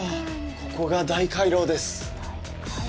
ここが大回廊です